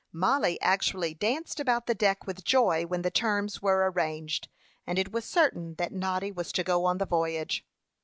Mollie actually danced about the deck with joy when the terms were arranged, and it was certain that Noddy was to go on the voyage.